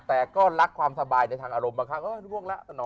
แต่ก็รักความสบายในทางอารมณ์บ้างค่ะ